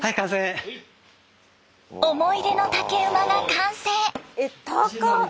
思い出の竹馬が完成！